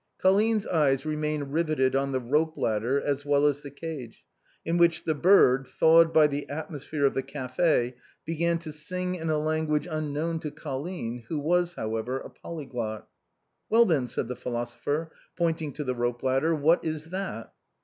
Colline's eyes remained riveted on the rope ladder as well as the cage, in which the bird, thawed by the atmos phere of the café, began to sing in a language unknown to Colline, who was, however, a polyglot. " Well, then," said the philosopher, pointing to the rope ladder, " what is that